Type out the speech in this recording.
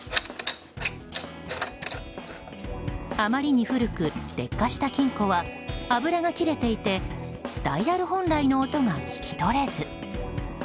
あまりに古く劣化した金庫は油が切れていてダイヤル本来の音が聞き取れず。